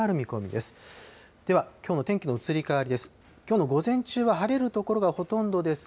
では、きょうの天気の移り変わりです。